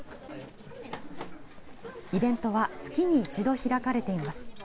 イベントは月に一度開かれています。